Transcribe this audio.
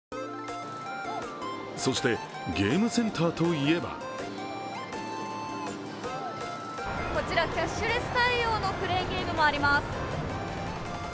そしてゲームセンターといえばこちらキャッシュレス対応のクレーンゲームもあります。